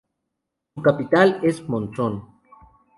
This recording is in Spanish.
Su capital es Monzón.